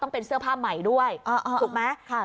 เป็นเสื้อผ้าใหม่ด้วยถูกไหม